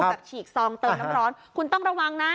กับฉีกซองเติมร้อนคุณต้องระวังนะ